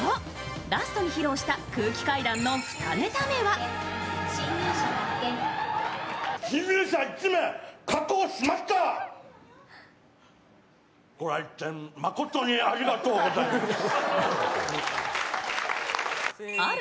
ラストに披露した空気階段の２ネタ目は改めましておめでとうございます。